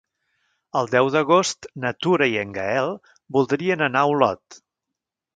El deu d'agost na Tura i en Gaël voldrien anar a Olot.